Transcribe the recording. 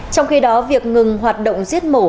trong khi đó việc ngừng hoạt động giết mổ